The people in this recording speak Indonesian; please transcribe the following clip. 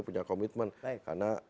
punya komitmen karena